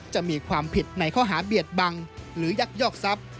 จะมีความผิดในข้อหาเบียดบังหรือยักยอกทรัพย์